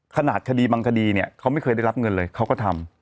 ขนาดคดีบางคดีเนี่ยเขาไม่เคยได้รับเงินเลยเขาก็ทำ